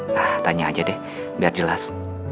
nah tanya aja deh biar jelas